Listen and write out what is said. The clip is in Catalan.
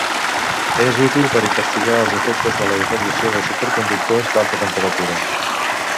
És útil per investigar els efectes de la irradiació en superconductors d'alta temperatura.